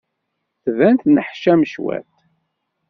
Tban-d tenneḥcam cwiṭ.